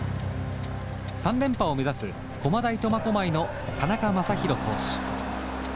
３連覇を目指す駒大苫小牧の田中将大投手。